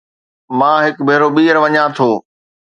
مان هڪ ڀيرو ٻيهر وڃان ٿو